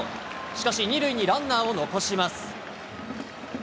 しかし２塁にランナーを残します。